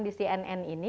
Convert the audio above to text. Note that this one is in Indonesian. teman teman di cnn ini